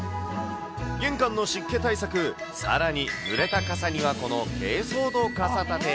玄関の湿気対策、さらにぬれた傘には、この珪藻土傘立て。